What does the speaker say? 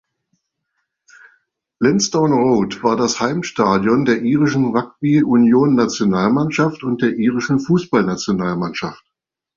Lansdowne Road war das Heimstadion der Irischen Rugby-Union-Nationalmannschaft und der Irischen Fußballnationalmannschaft.